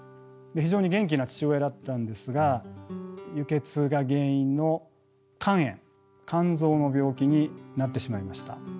非常に元気な父親だったんですが輸血が原因の肝炎肝臓の病気になってしまいました。